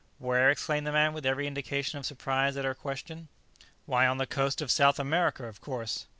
"Where?" exclaimed the man, with every indication of surprise at her question; "why, on the coast of South America, of course!"